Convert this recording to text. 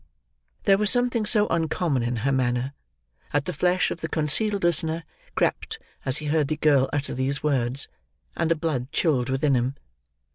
There was something so uncommon in her manner, that the flesh of the concealed listener crept as he heard the girl utter these words, and the blood chilled within him.